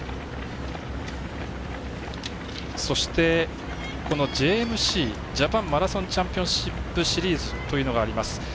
そして、ＪＭＣ＝ジャパンマラソンチャンピオンシップシリーズというのがあります。